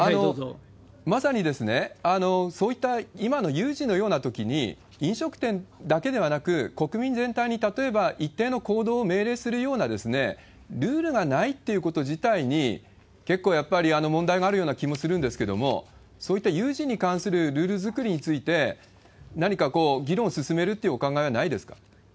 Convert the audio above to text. まさにですね、そういった今の有事のようなときに、飲食店だけではなく、国民全体に、例えば一定の行動を命令するようなルールがないっていうこと自体に、結構、やっぱり問題があるような気もするんですけれども、そういった有事に関するルール作りについて、何か議論進めるっていうお考えはないですか？